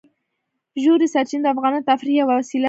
ژورې سرچینې د افغانانو د تفریح یوه وسیله ده.